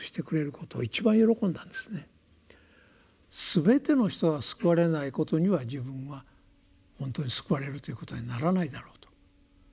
全ての人が救われないことには自分は本当に救われるということにはならないだろうと。